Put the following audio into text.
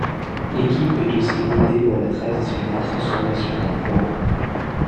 L'équipe peut aussi opter pour la traditionnelle transformation d'un point.